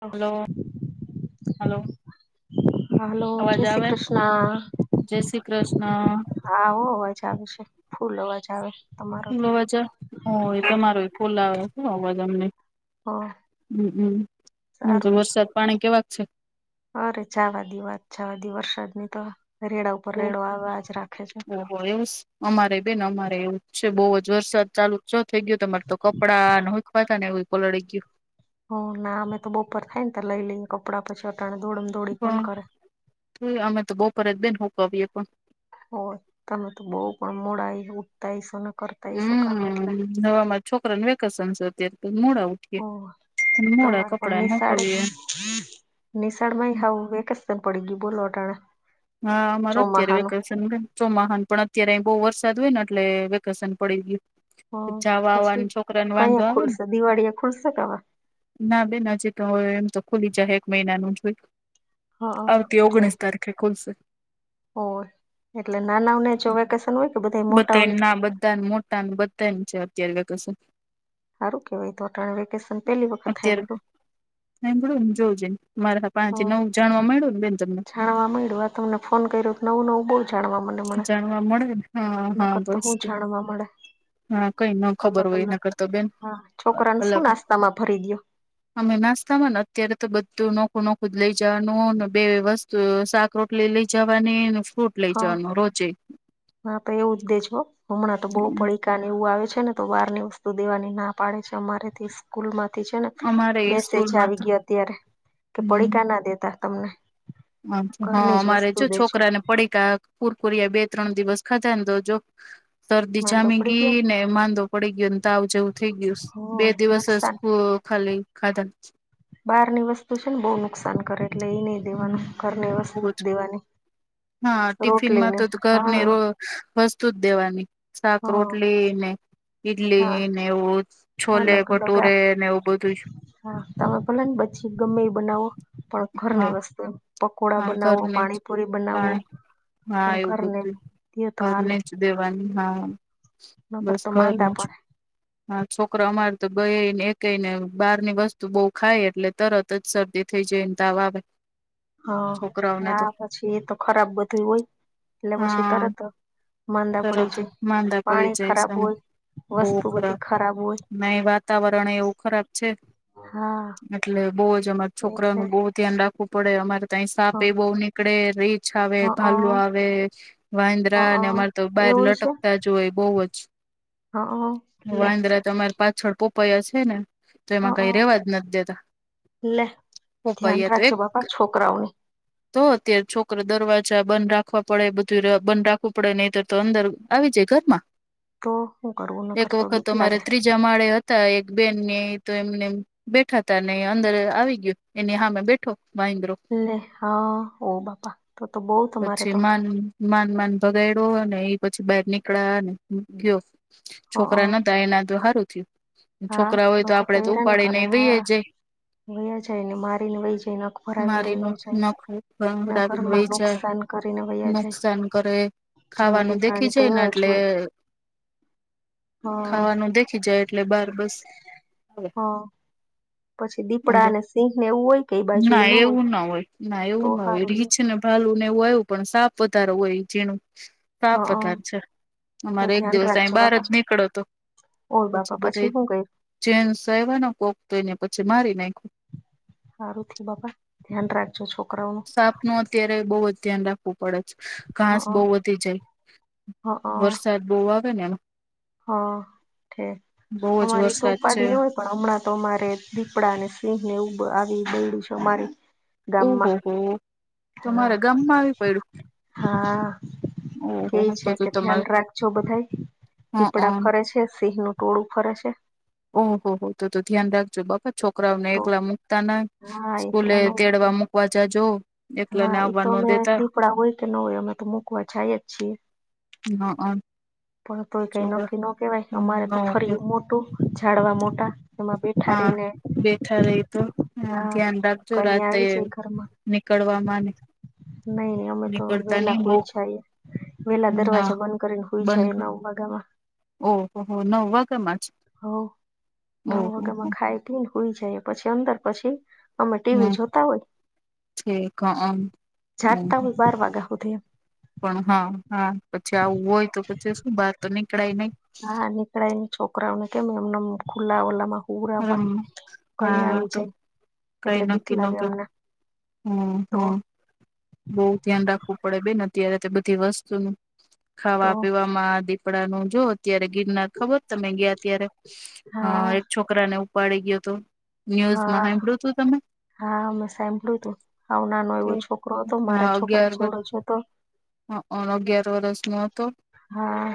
હા, hello hello હા hello અવાજ જય શ્રી આવે કૃષ્ણ. જય શ્રી કૃષ્ણ. હા હો અવાજ આવે છે, ફૂલ અવાજ આવે. તમારો તો [unintelligible] હોએ અરે તમારો ફુલ આવે છે અવાજ અમને. હ હમ્મ અમ્મ આજે સારું વરસાદ પાણી કેવા છે? અરે જવા દી વાત જવા દે વરસાદ ની તો રેડા ઉપર રેડો આવાજ રાખે છે ઓહો એવું અમારે બેન અમારે એવું છે બહુ જ વરસાદ ચાલુ. [unintelligible] [unintelligible] કરે પણ અમે તો [unintelligible] હોય તમે તો [unintelligible] હમ્મ કામ એટલે [unintelligible] અને ઓ મોડા કપડાને હુકવીએ નિશળમાં હાવ વેકેશન પડી ગઈ બોલો અટાણે હા મારોત્યારે ચોમાહાનું વેકેશન બેન. ચોમાહાન પણ અત્યારે અ બો વરસાદ હોય ને એટલે વેકેશન પડી ગયું. હ જાવા પછી આવાનો છોકરાને કઈ વાંધો આવે ને ખુલશે દિવાળી એ ખુલશે કે હવે ના બેન [unintelligible] એમ તો ખુલી જાહે એક મહિનાનું જોય. હા આવતી છે ઓગણીસ તારીખે ખુલશે. હોય એટલે નાનાઓને જો વેકેશન હોય કે બધા બધ મોટાઓને એમના બધાને મોટા બ. [unintelligible] સારું કેવાય તો વેકેશન પહેલી વખત [unintelligible] હમ [unintelligible] જાણવા મળ્યું આ તમને ફોન કર્યો નવું નવું બો જાણવા મળ્યું જાણવા મળેને હા હા બસ હું તો જાણવા મળે હા કઈ ન અલગ ખબર હોય અલગ એના કરતો બેન હા છોકરાને શું અલગ નાસ્તામાં ભરી દયો અમે નાસ્તામાં ને અત્યારે તો બધું નોખું નખું જ લઈ જવાનું ને બે વ્યવસ્થ તો સાાક રોટલી લઈ જવાની ફ્રૂટ લઈ હા જવાનું રોજે હા તો એવું જ દેેશો હમણાં તો બો પડી. [unintelligible] સ્કૂલ માંથી છે ને અમારે મેસેજ સ્કૂલમાં આવી તો ગીયા અત્યારે કે પડીકા ના દેતા તમને હા ઘરની જ અમારે વસ્તુ જો દેજો છોકરા ને પડી કા કોરિયા બે ત્રણ દિવસ ખધાને તો જો સરદીજ માંદા પડી જામીગી ગયા ને માદો પડી ગીયોને [unintelligible] બે હમ દિવસ નુકસાન [unintelligible] ખાલી ખાધા. બહારની વસ્તુ છે ને બો નુકસાન કરે એટલે એ નઈ દેવાનું ઘરની વસ્તુ બહુ જ દેવાની. હા ટિફિન માં રોટલીને તો ઘરને હા વસ્તુ જ દેવાની શાક હ રોટલી ને હા ઈડલી ને એવું હા છોલે લગ લગા ભટૂરે ને એવું બધું જ હા તમે ભલે ને પછી ગમે એ બનાવો પણ ઘરની હા વસ્તે પકોડા હા બનાવો ઘરને જ પાણીપુરી બનાવો. પાણી હા પણ એવું ઘરને બધું દયો તો ઘરની જ દેવાની હા. ન બસ કરરતો માંદા ઘરનું જ પડે. હા છોકરો અમારે તો બેને એકઈને બહાર ની વસ્તુ બો ખાય એટલે તરત જ શરદી થઈ જાયને તાવ આવે. હ છોકરાઓને તો હા પછી એતો ખરાબ બધું હોય એટલે પછી હા તરત માંદા પડી તરત છે પાણી ખરાબ હોય. બહ વસ્તુ બધી ખરાબ હોય ન વાતાવરણ એવું ખરાબ છે. હા એટલે બહ જ અમારે એટલે છોકરાનું બહુ ધ્યાન રાખવું પડે અમારે ત સાપ હ એ બહ નીકળે રીછ આવે હઅ ભો હઅ આવે વાંદ્રા અને અમારે બાર એવું છે લટકતા જ હોય બહ જ હઅ લે વાંદરા તમારી પાછળ પોપાયા છે ને? તો હઅ એમાં કઈ રેવા જ નથી દેતા લે ધ્યાન [unintelligible] તો રાખજો એક. બાપા છોકરાઓને તો અત્યારે છોકરા દરવાજા બંધ રાખવા પડે બધું બંધ રાખવું પડે નહી તો તો અંદર આવી જાય ઘરમાં. તો શું કરવું ન કરર તો બીક લાગે. જમાડે હતા એક બેન ને એ તો એમને બેઠા ત ને અંદર આવી ગયયો એની હામે બેઠો વાંદરું. લે હા હો બાપા તો તો બહ તમારે પછી તો. માન માન માન ભગાડો અને એ પછી બાર નીકળ્યા ગયો. હઅ છોકરાના નતા તો એને હારું થયું. હા છોકરા હોય તો લોકો આપડે તો હેરાન ઉપાડીને કરે વહીએ હા જાય. વયા જાય ને મારીને વહી જાયને ખબર આવી ને મારીને વયા જાય એના નખરાવીને વહી ઘરમાં જાય નુકસાન. કરીને વયા જાય નુકસાન કરે. જંગલી ખાવાનું દેખી પ્રાણી તો જાયને એવા જ એટલે હોય હા ખાવાનું દેખી જાય. એટલે બાર પસ હા પછી અ દીપડા અને સિંહ ને એવું હોય કે એ બાજુ એ ના ન એવું ના હોય ના તો એવું ના હોય હારું લ્યો રિચને ભાલું ને એવું આવું પણ સાપ વધારે હોય જીણૂ. હઅ સાપ વધાર છે તો અમારે એક દિવસ અહીં બહાર જ નીકળો તો. ઓર બાપા પછી હું કર્યું. જેન્ટ્સ કોક આવ્યા ને તો પછી મારી નાખ્યો. હારું થી બાપા ધ્યાન રાખજો છોકરાઓનું. સાપ નું અત્યારે બઉુ જ ધ્યાન રાખવું પડે છે. હ ઘાસ બહ વધી જાય હ હ વરસાદ બહુ આવે ને એમાં. હા ઠક બહુ જ અમારી તો વરસાદ છે. ઉપાધિ ન હોય પણ હમણાં તો અમારે દીપડા અને સિંહ ને ઉ આવી ગયુ છે અમારી ગામમાં ઓહોહ તો હા મારા ગામમાં આવી પડ્યું? હા કેઈ ઓહો તો છે તો કે ધ્યાન તમારે રાખજો બધાય. હ અ દીપડા ફરે છે સિંહનું ટોળું ફરે છે. ઓહ હો તો તો ધ્યાન રાખજો બરાબર. છોકરાઓ ને તો એકલા મુકતા ના હા સ્કૂલે એકલા ન મૂકી તેડવા મકવા જજો. હા એ તો અમે દીપડા હોય કે ન હોય અમે તો મૂકવા જાય જ છીએ. હ પણ તોય કઈ નક્કી ન કેવાય અમારે તો છોકરા ઓકે ફરી મોટું ઝડવા મોટા. એમાં બેઠા હા રહીને બેઠા રહી તો હ હા ધ્યાન રાખજો કઈ રાતે. આવી જાય નીકળવા વામાં નહી નહી અમે તો વેલા હુઈ જાયે. વેલા ના દરવાજા બંધ કરીને હુય બંધ જાયે એ નવ વાગામાં. ઓહો હો નવ વાગામાં જ. હ નવ વાગ્યા માં ઓહો ખાય તને હોઈ જાય પછી અંદર પછી અમે ટીવી જોતા હોય. ઠીક હ જાગતા હોય બાર વાગ્યા હો ત. પણ હા હા પછી આવું હોય તો પછી શું બહાર તો નીકળાય નહી. હા નીકળાય ને છોકરાઓને કેમ એમના ખુલ્લા ઓલામાં પૂરાવા રમવા કઈ હા આવી તો જાય એટલે બીક લાગે અમને. હમ્મ તો હમ્મ. બહુ ધ્યાન રાખવું પડે બેન અત્યારે તે બધી વસ્તુનું. તો ખાવા પીવામાં દીપડા નુ જો અત્યારે ગિરનાર ખબર તમે ગયા ત્યારે અ હા એક છોકરા ને ઉપાડી ગયો હતો ન્યૂઝમાં હા સાંભળ્યું તું તમે? હા મે સાંભળ્યું તું આવ નાનો કે એવો છોકરો હતો મારા છોકરા જેવડો જ હતો. હ અગિયાર વરષ નો હતો હા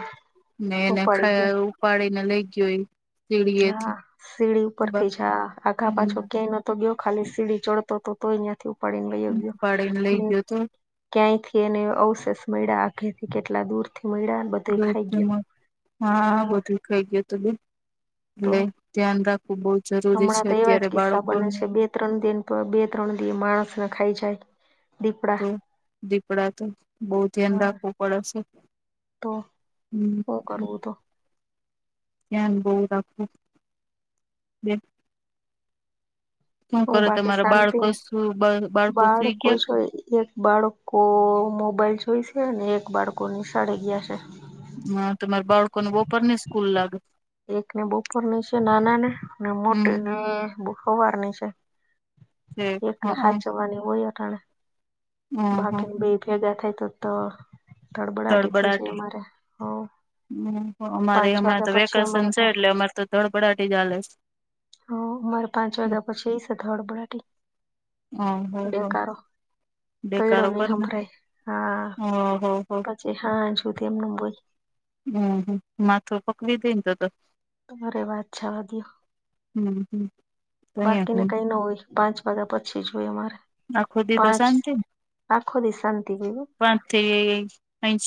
ને એને ઉપાડી ખાય ગયા આવું ઉપાડીને લઈ ગયો એ. સીડીએથી હા સીડી ઉપર થી જા આઘા પાછો ક્યાંય નથી. તો ગ ખાલી સીડી ચડતો તો તોય અયાંથી ઉપાડીને ગયો ગયો ઉપાડીને લઈ ને. ગયો તો ક્યાંયથી એને અવશેષ મળ્યા આખેથી કેટલા દૂર થી મળ્યા. બધું જો ખાઈ ગયો હા બધ કઈ ગું હત બ તો એટલે ધ્યાન રાખવું બહ જરૂરી છે હમણાં તો એવા અત્યારે જ કિસ્સા બને બાળકોનું છે બે ત્રણ દિન બે ત્રણ દિ માણસને ખાઈ જાય દીપડા તો દીપડા તો બહુ ધ્યાન હા રાખવું પડેશે તો શ કરવું તો ધ્યાન બહ રાખું બે હું કરે બાકી તમારા શાંતિ બાળકો ને શું બાળકો બાળ સુઈ કોઈ છે એક બાળકો મોબાઈલ જોઈશે ને એક બાળકો નિશાળે ગયા છે હ તમારા બાળકોને બપોર નઈ સ્કૂલ લાગે એક ને બપોરની છે નાના ને ને મોટી હમ ને સવાર ની છે ઠીક હ એકને હ હાચરવાની હોય હ બાકીને હ બે ભેગા થાય તો તો ધડબડાટી થઈ જાય અમારે હ હ અમારે હમણાં તો વેકેશન અમારે છે તો એટલે અમારે તો ધડપડાાટી ચાલે છે હ મારે પાંચ વાગ્યા પછી એ સાથે હડબડા ઓહો હો બેકારો પૈડો નહી સંંભળ હા હા હ હા પછી હા જોુતી એમને બોલ હમ માથું પકવી દઈ તો તો રે વાત છેા વધ્યો હમ હમ તો બાકીને અહીંયા કઈ ન હોય પાંચ વાગ્યા પછી જોય અમારે આખો દી તો પાંચ શાંતિ આખો દી શાંતિ બીવું પા થ અંચ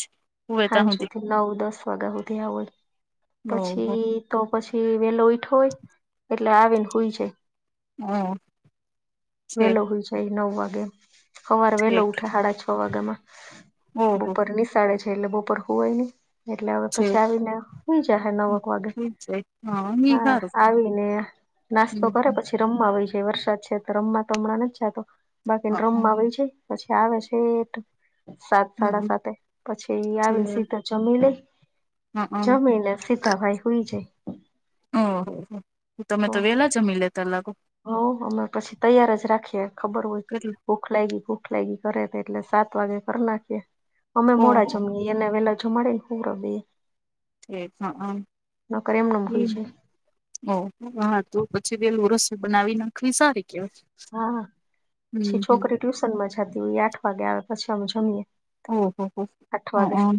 હા સુધથી નવ દસ વાગ્યા સુધી આવય ઓહો પછી તો પછી વેલો ઈઠો હોય એટલે આવે ને હોય જાય હ છેક વેલો હોય છે નવ વાગે સવારે વેલો છેક ઉઠે સાડા છ વાગ્યામાં ઓહો બપોર ની સાડા છ જેલે બપર હોું હોય નહી એટલે હવે પછી છેક આવીને હઈ જહે નવક વાગે ઠીક છે ઈ હા હારું આવીને નાસ્તો કરે હમ પછી રમવા હોય છે વરસાદ છે તો રમવા તો હમણાં નથી જાતો બાકીને રમવા હમ હોય છે પછી આવે છેટ સાત સાડા હમ સાતે પછી આવે ને છેક સીધ જમી લ હઅ જમી લ સીતાભાઈ હોય જાય ઓહહ હું તમે તો વેલા જમી લેતા લાગો હ અમે પછી તૈયાર જ રાખીએ ખબર હોયય કેટલે ભૂખ લાગી ભૂખ લાગી કરે એટલે સાત વાગે કરી નાખીએ અમે મોડા ઓહો જમ એનેવેલાજું મળે હ્રદી એ હ નકર એમનેમ હુઈ હમ જાય ઓ હા તો પછી પેલું રસો બનાવી નાખવી સારી કેવાય હા હમ પછી હમ છોકરી ટ્યુશન માં જતી હોય આઠ વાગે આવે પછી અમે જમીએે ઓહ હો અઠ વા દે હ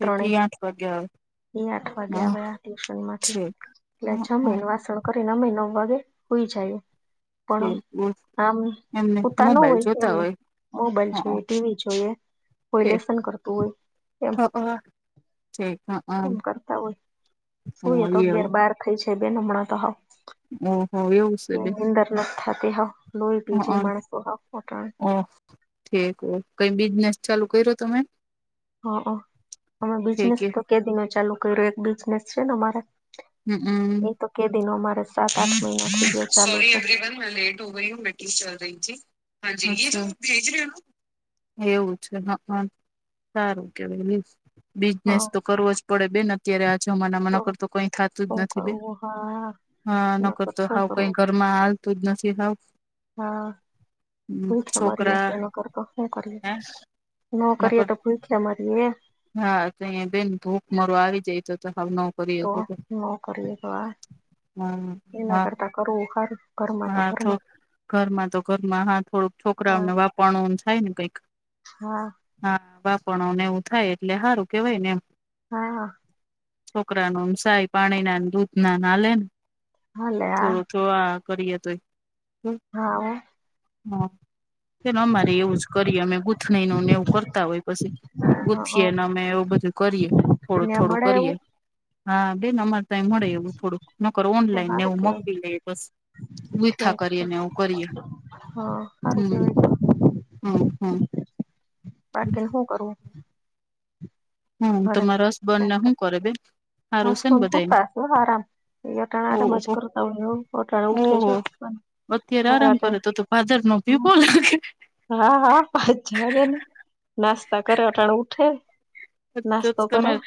ત્રણે આઠ વાગે આવે અહી આઠ વાગે હ આવ્યા ટ્યુશન માંથી છે. એટલે હા હા જમીને વાસણ કરીનેમ નવ વાગે હોઈ જાય છે પણ બોલ આમ એમને ઉતા ન મોબાઈલ હોય જોતા એમનું મોબાઈલ હા જોઈએ ટીવી જોઈએ કોઈ લસન કરતું હોય એમ ઓ શક હ એમ કરતા હોય સુુંએ તો એવું અગિયાર બાર થઈ છે બે નમણા તો હાવ ઓહ એવું છે બે ગ થતી હવ લોહી બીજે હ માણસો હાવ ત્રણ ઠક કઈ બિઝનેસ ચાલુ કર્યો તમે હઅ અમે ઠીક બિઝનેસ હે તો કેદિનો ચાલુ કર્યો એક બિઝનેસ છે ને મારે હમમ કેદિનો અમારે સાત આઠ મહિના થ સોરી એવ્રીવન મે લેટ હો ગય હું મે થે રહીી હાજી એ ભેજ ર એવું છે હઅ સારું કેવાય લ્યો બિઝનેસ હા તો કરવો જ પડે બેન અત્યારે આજમાના નકર તો કઈ થતું જ શું નથી બેન કરવું હા હા ન નકર કરતો શું હાવ કઈ કરવું ઘર માં હાલતું જ નથી હાવ હા ભૂખે મરીએ છોકરા નકર તો શું કરીએ હે નો કરીએ નકર તો ભૂખે મરીએ હા તયે બેન ભૂખમરો આવી જાય તો તો સાવ તો ન કરીએ આ હા એના હા કરતા કરવું સારું હા તો ઘરમાં તો ઘરમાં હા થોડુંક છોકરાઓને વાપરવું થાય ને કઈક હ હા વાપરણું ને એવું થાય એટલે સારું કેવાય ને એમ હા છોકરાનું સાય પાણીના દૂધ નાન હાને હાલે આ થોડું ધોઆ કરીએ તોય હાહો બેન અમારે એવું જ કરીએ અમે ગૂથની નુંને એવું કરતા હોય પછી હો હઅ ગુથીએ ને અમે એવું બધું કરીએ થોડું ત્યાં થોડું મળે કરીએ એવું હા બેન અમાર તે આયા મળે એવું થોડુંક નકર તો ઓનલાઈન સારું નેવું કેવાય મગવી લે પસી છે ગુઈથા તો કરીને એવું કરીએ હા સારું હમ કેવાય હમ હમ બાકીને સુ કરવું હમ ઘરે તમારા હસબન્ડ ને શું કરે બેન હારું છે ને હસબન્ડ બધાને સૂતા હો આરામ ઈ અટાણે આરામ જ ઓહો કરતા હોય અટાણે ઉઠે ઓહો ઊઠે જો અત્યારે આરામ કરે તો તો ભાદર નો ભીપો લાગે હા હા વાત જવાદે ને નાસ્તા કરે અટાણે ઉઠે તો નાસ્તો કરે તમાર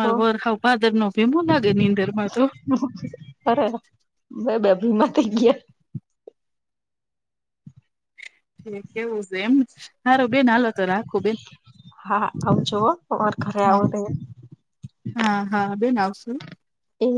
તો વર સાવ ભાદર નો ભીમો લાગે નીંદર માં તો અરે બે બે ભીમાં થઈ ગયા ઠેક એવું છે એમ સારું બેન હાલો તો રાખું બેન હા આવજો હો અમાર ઘરે હા આવો તયે હા હા બેન આવશું એ